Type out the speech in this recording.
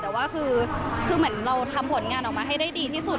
แต่ว่าคือเหมือนเราทำผลงานออกมาให้ได้ดีที่สุด